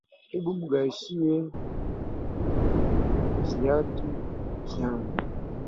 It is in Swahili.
Hebu nng’arishiye viatu vyangu